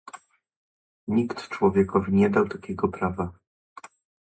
nikt człowiekowi nie dał takiego prawa